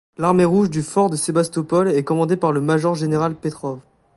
L’Armée rouge du fort de Sébastopol est commandée par le major-général Petrov.